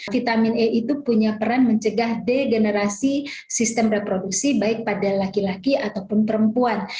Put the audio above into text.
vitamin e itu punya peran mencegah degenerasi sistem reproduksi baik pada laki laki ataupun perempuan